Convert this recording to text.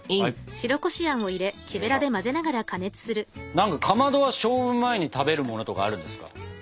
何かかまどは勝負前に食べるものとかあるんですか？